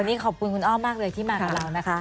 วันนี้ขอบคุณคุณอ้อมมากเลยที่มากับเรานะคะ